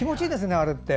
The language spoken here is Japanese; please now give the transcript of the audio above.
あれって。